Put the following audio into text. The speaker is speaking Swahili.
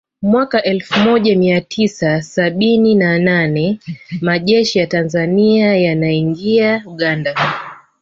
Mwaka elfu moja mia tisa sabini na nane Majeshi ya Tanzania yanaingia Uganda